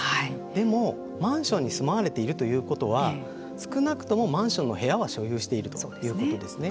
でも、マンションに住まわれているということは少なくともマンションの部屋は所有しているということですね。